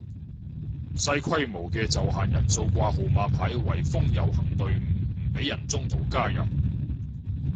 細規模嘅就限人數掛號碼牌圍封遊行隊伍唔俾人中途加入